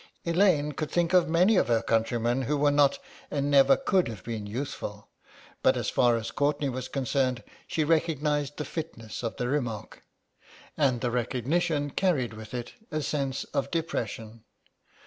Elaine could think of many of her countrymen who were not and never could have been youthful, but as far as Courtenay was concerned she recognised the fitness of the remark. And the recognition carried with it a sense of depression.